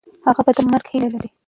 هغه به د مرګ هیله لري.